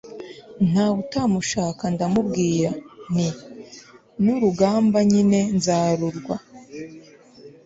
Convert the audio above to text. ntawutamushaka ndamubwira nti n'urugamba nyine nzarurwa